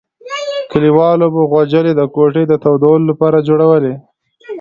کلیوالو به غوجلې د کوټې د تودولو لپاره جوړولې.